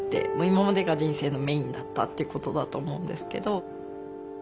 今までが人生のメインだったってことだと思うんですけど。